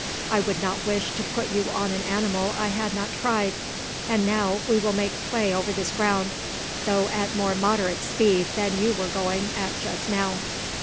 "I would not wish to put you on an animal I had not tried. And now we will make play over this ground, though at more moderate speed than you were going at just now."